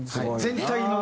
全体のね。